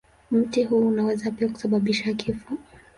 Mti huu huweza pia kusababisha kifo.